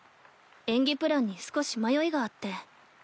演技プランに少し迷いがあって。